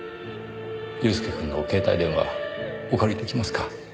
祐介くんの携帯電話お借り出来ますか？